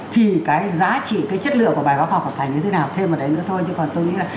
thì cái giá trị cái chất lượng của bài báo họ còn phải như thế nào thêm một đấy nữa thôi chứ còn tôi nghĩ là